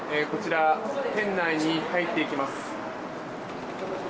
店内に入っていきます。